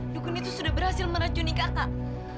dukun itu sudah berhasil meracuni kakak